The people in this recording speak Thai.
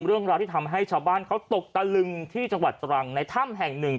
เรื่องราวที่ทำให้ชาวบ้านเขาตกตะลึงที่จังหวัดตรังในถ้ำแห่งหนึ่ง